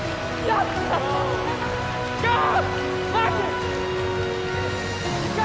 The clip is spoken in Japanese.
やったー！